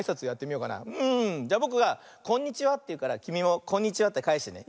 じゃあぼくが「こんにちは」っていうからきみも「こんにちは」ってかえしてね。